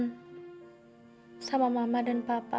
sama mama dan papa